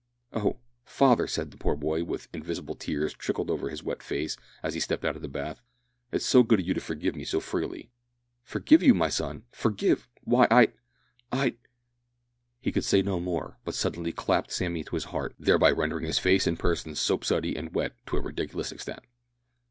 "Oh! father," said the poor boy, while invisible tears trickled over his wet face, as he stepped out of the bath, "it's so good of you to forgive me so freely." "Forgive you, my son! forgive! why, I'd I'd " He could say no more, but suddenly clasped Sammy to his heart, thereby rendering his face and person soap suddy and wet to a ridiculous extent.